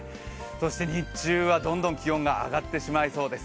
そして日中はどんどん気温が上がってしまいそうです。